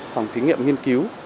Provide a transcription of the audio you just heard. phòng thí nghiệm nghiên cứu